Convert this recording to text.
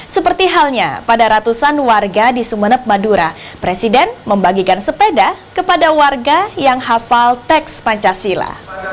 seperti halnya pada ratusan warga di sumeneb madura presiden membagikan sepeda kepada warga yang hafal teks pancasila